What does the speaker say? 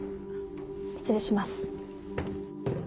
失礼します。